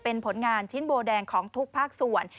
เป็นผลงานชิ้นโบแดงของทุกภาคส่วน